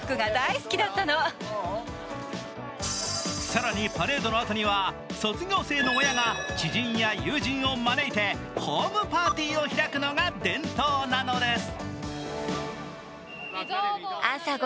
更にパレードのあとには卒業生の親が知人や友人を招いてホームパーティーを開くのが伝統なのです。